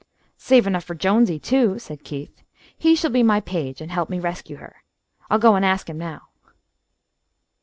"Save enough for Jonesy, too," said Keith. "He shall be my page and help me rescue her. I'll go and ask him now."